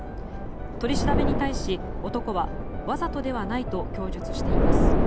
取り調べに対し男はわざとではないと供述しています。